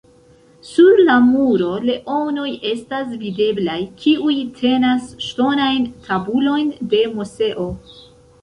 Sur la muro leonoj estas videblaj, kiuj tenas ŝtonajn tabulojn de Moseo.